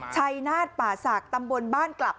ชัยนาฏป่าศักดิ์ตำบลบ้านกลับ